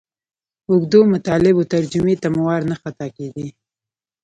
اوږدو مطالبو ترجمې ته مو وار نه خطا کېدئ.